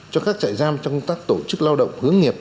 cho các trại giam trong các tổ chức lao động hướng nghiệp